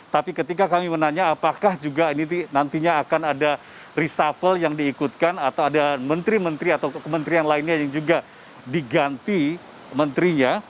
tapi ketika kami menanya apakah juga ini nantinya akan ada reshuffle yang diikutkan atau ada menteri menteri atau kementerian lainnya yang juga diganti menterinya